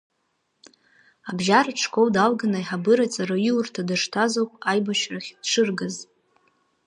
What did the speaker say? Абжьаратә школ далганы аиҳабыра ҵараиурҭа дышҭаз ауп аибашьрахь дшыргаз.